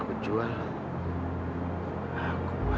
kamu jangan bohong ya